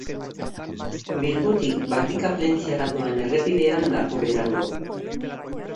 Bilbotik Barrika-Plentziara doan errepidean dago Berango.